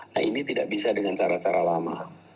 nah ini tidak bisa dengan cara cara lama